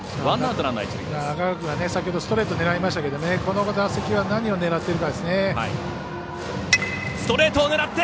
中川君は先ほどストレートを狙いましたけどこの打席は何を狙っているか。